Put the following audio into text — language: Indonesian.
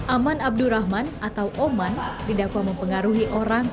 aman abdurrahman atau oman didakwa mempengaruhi orang